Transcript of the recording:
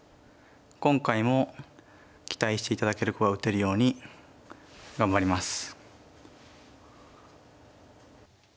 今回も期待して頂ける碁が打てるように頑張ります。